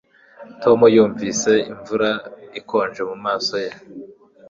Tom yumvise imvura ikonje mumaso ye